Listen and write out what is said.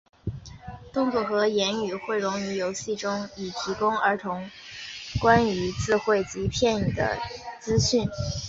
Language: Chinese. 动作和言语会融入游戏中以提供儿童关于字汇及片语的资讯。